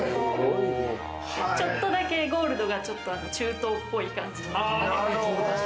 ちょっとだけゴールドが、中東っぽい感じに。